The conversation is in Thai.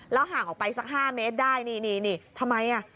ห่างออกไปสัก๕เมตรได้นี่นี่ทำไมอ่ะ